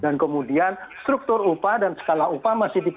dan kemudian struktur upah dan skala upah masih dikirim